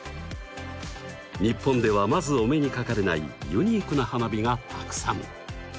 日本ではまずお目にかかれないユニークな花火がたくさん。